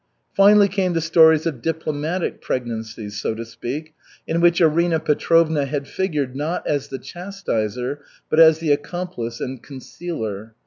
Finally came the stories of diplomatic pregnancies, so to speak, in which Arina Petrovna had figured not as the chastiser, but as the accomplice and concealer.